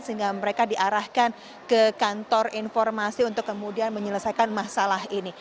sehingga mereka diarahkan ke kantor informasi untuk kemudian menyelesaikan masalah ini